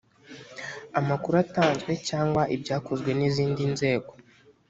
amakuru atanzwe cyangwa ibyakozwe n’ izindi nzego